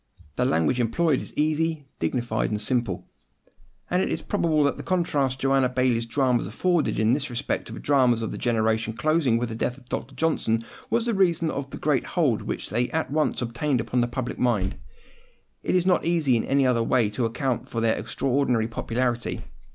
The language employed is easy, dignified, and simple: and it is probable that the contrast Joanna Baillie's dramas afforded in this respect to the dramas of the generation closing with the death of Dr. Johnson, was the reason of the great hold which they at once obtained upon the public mind. It is not easy in any other way to account for their extraordinary popularity.